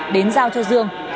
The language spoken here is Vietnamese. đến giao cho dương